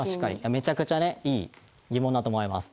めちゃくちゃいい疑問だと思います。